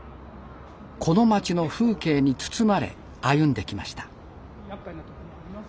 この町の風景に包まれ歩んできました。